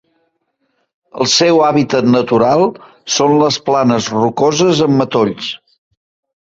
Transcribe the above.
El seu hàbitat natural són les planes rocoses amb matolls.